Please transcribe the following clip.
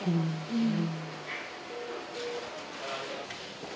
うん。